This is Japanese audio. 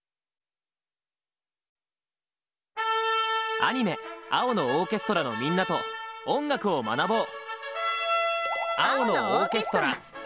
アニメ「青のオーケストラ」のみんなと音楽を学ぼう！